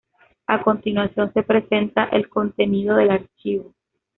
A continuación se presenta el contenido del archivo.